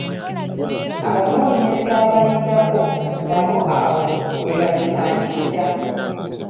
Abanoonyereza abaliddako nabo awo we balitandikira.